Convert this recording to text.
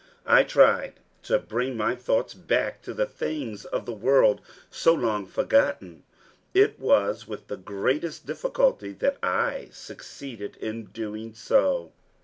I tried to bring my thoughts back to the things of the world so long forgotten. It was with the greatest difficulty that I succeeded in doing so.